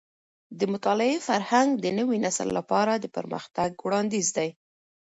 د مطالعې فرهنګ د نوي نسل لپاره د پرمختګ وړاندیز دی.